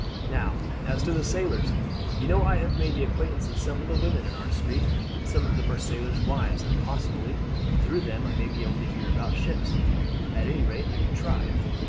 Now, as to the sailors, you know I have made the acquaintance of some of the women in our street. Some of them are sailors' wives, and possibly through them I may be able to hear about ships. At anyrate I could try."